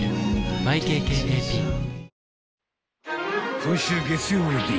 ［今週月曜日